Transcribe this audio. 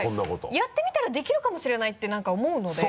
やってみたらできるかもしれないて何か思うので。